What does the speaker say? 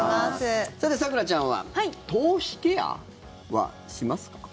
さて、咲楽ちゃんは頭皮ケアはしますか？